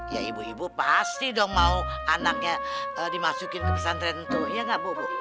ya ibu ibu pasti dong mau anaknya dimasukin ke pesantren tuh iya nggak bu